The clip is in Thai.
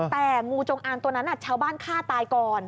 แต่งูจงอางตัวนั้นชาวบ้านฆ่าตายก่อน